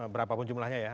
berapapun jumlahnya ya